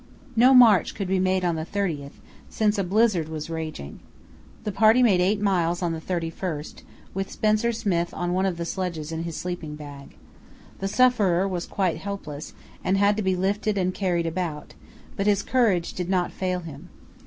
No march could be made on the 30th, since a blizzard was raging. The party made 8 miles on the 31st, with Spencer Smith on one of the sledges in his sleeping bag. The sufferer was quite helpless, and had to be lifted and carried about, but his courage did not fail him.